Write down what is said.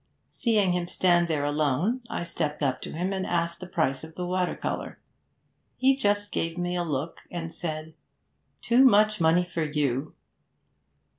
Seeing him stand there alone, I stepped up to him, and asked the price of the water colour. He just gave a look at me, and said, "Too much money for you."